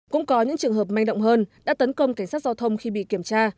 cũng có những trường hợp manh động hơn đã tấn công cảnh sát giao thông khi bị kiểm tra